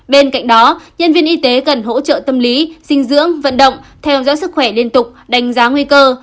bên cạnh đó nhân viên y tế cần hỗ trợ tâm lý dinh dưỡng vận động theo dõi sức khỏe liên tục đánh giá nguy cơ